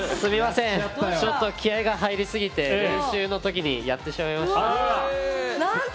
ちょっと気合いが入りすぎて練習のときにやってしまいました。